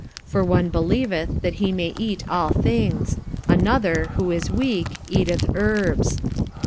45:014:002 For one believeth that he may eat all things: another, who is weak, eateth herbs.